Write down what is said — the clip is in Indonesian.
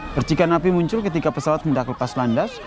percikan api muncul ketika pesawat hendak lepas landas